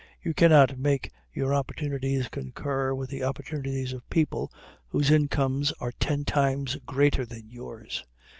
You cannot make your opportunities concur with the opportunities of people whose incomes are ten times greater than yours.